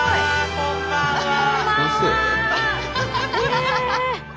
こんばんは！